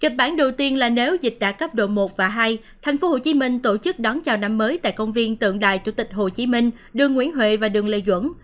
nhật bản đầu tiên là nếu dịch tả cấp độ một và hai tp hcm tổ chức đón chào năm mới tại công viên tượng đài chủ tịch hồ chí minh đường nguyễn huệ và đường lê duẩn